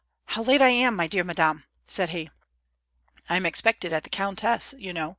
how late I am, my dear madame !" said he. am expected at the countess', you know.